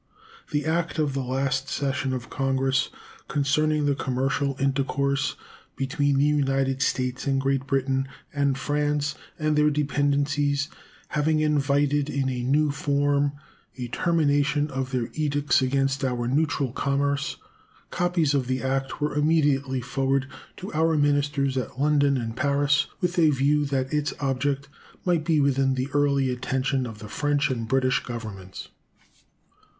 The act of the last session of Congress concerning the commercial intercourse between the United States and Great Britain and France and their dependencies having invited in a new form a termination of their edicts against our neutral commerce, copies of the act were immediately forwarded to our ministers at London and Paris, with a view that its object might be within the early attention of the French and British Governments.